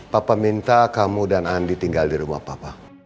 papa minta kamu dan andi tinggal di rumah bapak